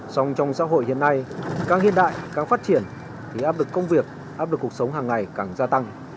xong trong xã hội hiện nay càng hiện đại càng phát triển thì áp lực công việc áp lực cuộc sống hàng ngày càng gia tăng